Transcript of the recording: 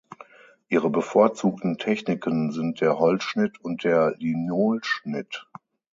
Ihre bevorzugten Techniken sind der Holzschnitt und der Linolschnitt.